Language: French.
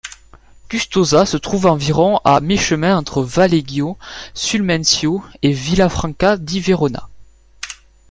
Custoza se trouve environ à mi-chemin entre Valeggio sul Mincio et Villafranca di Verona.